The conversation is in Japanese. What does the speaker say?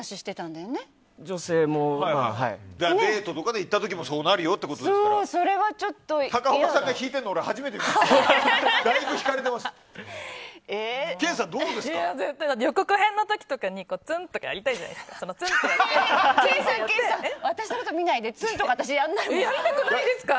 だって予告編の時とかにツンとかやりたいじゃないですか。